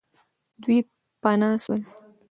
دوی پنا سول.